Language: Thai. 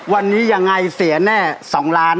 วันนี้ยังไงเสียแน่๒ล้าน